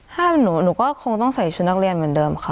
ถ้าหนูก็คงต้องใส่ชุดนักเรียนเหมือนเดิมค่ะ